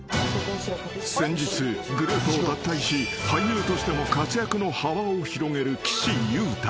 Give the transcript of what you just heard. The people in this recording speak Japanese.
［先日グループを脱退し俳優としても活躍の幅を広げる］